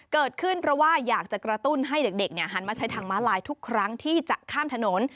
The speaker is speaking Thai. เกิดขึ้นเพราะว่าอยากจะกระตุ้นให้เด็กหันมาใช้ทางม้าลายทุกครั้งที่จะข้ามถนน